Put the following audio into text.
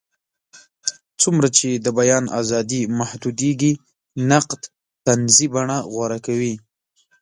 څومره چې د بیان ازادي محدودېږي، نقد طنزي بڼه غوره کوي.